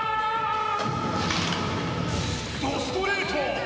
怒ストレート！